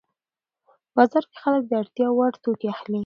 بازار کې خلک د اړتیا وړ توکي اخلي